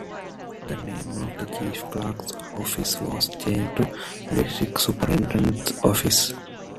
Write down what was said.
The name of the Chief Clerk's office was changed to District Superintendent's office.